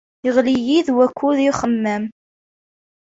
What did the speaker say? Yeɣli-yi-d wakud i uxemmem.